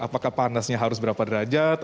apakah panasnya harus berapa derajat